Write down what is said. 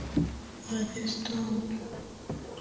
-- Halestorm